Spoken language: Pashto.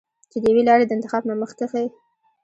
چې د يوې لارې د انتخاب نه مخکښې